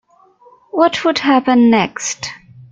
What would happen next?